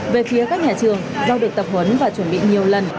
về phía các nhà trường do được tập huấn và chuẩn bị nhiều lần